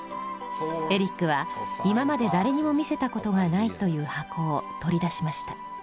エリックは今まで誰にも見せたことがないという箱を取り出しました。